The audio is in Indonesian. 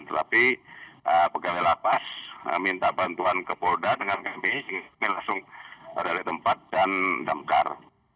tetapi pegangnya lapas minta bantuan ke polda dengan gampang langsung ke tempat dan damkar